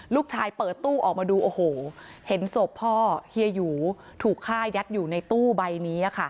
เปิดตู้ออกมาดูโอ้โหเห็นศพพ่อเฮียหยูถูกฆ่ายัดอยู่ในตู้ใบนี้ค่ะ